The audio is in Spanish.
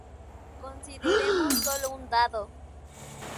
Consideremos sólo un dado.